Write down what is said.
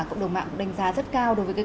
cộng đồng mạng đánh giá rất cao đối với